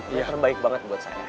ini terbaik banget buat saya